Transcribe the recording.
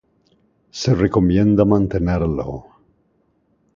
Se recomienda mantenerlo.